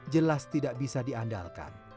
jelas tidak bisa diandalkan